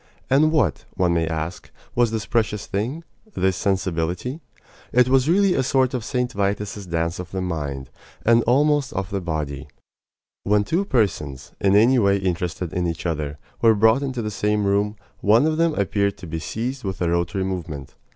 And what, one may ask, was this precious thing this sensibility? It was really a sort of St. Vitus's dance of the mind, and almost of the body. When two persons, in any way interested in each other, were brought into the same room, one of them appeared to be seized with a rotary movement.